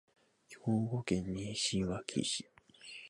兵庫県西脇市